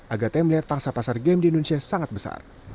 agate melihat pangsa pasar game di indonesia sangat besar